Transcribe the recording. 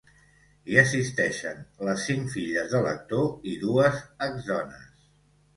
Hi assisteixen les cinc filles de l’actor i dues ex-dones.